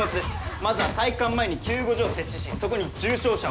まずは体育館前に救護所を設置しそこに重症者を集めます。